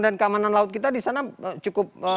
dan keamanan laut kita di sana cukup